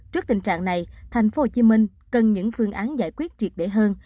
trước tình trạng này tp hcm cần những phương án giải quyết triệt để hơn